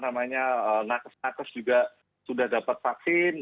namanya nakes nakes juga sudah dapat vaksin